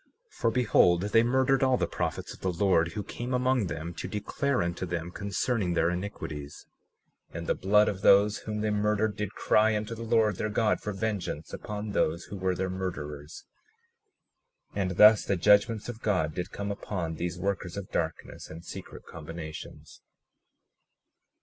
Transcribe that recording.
37:30 For behold, they murdered all the prophets of the Lord who came among them to declare unto them concerning their iniquities; and the blood of those whom they murdered did cry unto the Lord their God for vengeance upon those who were their murderers; and thus the judgments of God did come upon these workers of darkness and secret combinations.